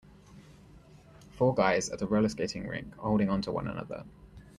Four guys at a rollerskating rink holding on to one another.